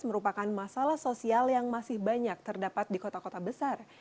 merupakan masalah sosial yang masih banyak terdapat di kota kota besar